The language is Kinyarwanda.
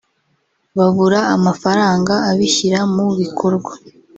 babura amafaranga abishyira mu bikorwa